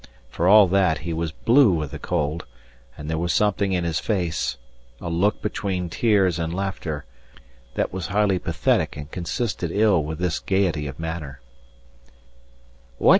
For all that, he was blue with the cold; and there was something in his face, a look between tears and laughter, that was highly pathetic and consisted ill with this gaiety of manner.